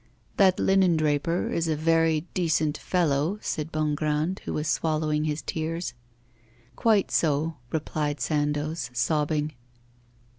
'That linen draper is a very decent fellow,' said Bongrand, who was swallowing his tears. 'Quite so,' replied Sandoz, sobbing.